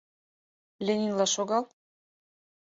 Ленинла шогал